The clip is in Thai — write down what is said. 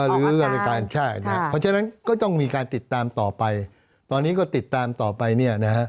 เพราะฉะนั้นก็ต้องมีการติดตามต่อไปตอนนี้ก็ติดตามต่อไป